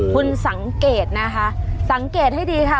คุณสังเกตนะคะสังเกตให้ดีค่ะ